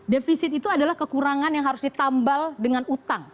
defisit itu adalah kekurangan yang harus ditambal dengan utang